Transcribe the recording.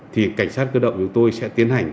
thì cảnh sát cơ động chúng tôi sẽ tiến hành